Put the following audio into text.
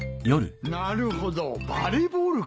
なるほどバレーボールか。